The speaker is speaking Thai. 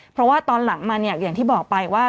เพราะว่าตอนหลังมาเนี่ยอย่างที่บอกไปว่า